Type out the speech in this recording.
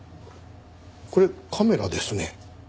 これカメラですね。